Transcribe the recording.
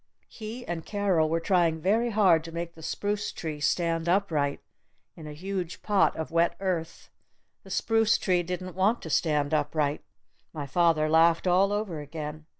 He and Carol were trying very hard to make the spruce tree stand upright in a huge pot of wet earth. The spruce tree didn't want to stand upright. My father laughed all over again.